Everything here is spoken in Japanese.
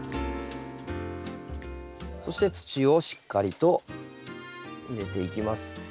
そして土をしっかりと入れていきます。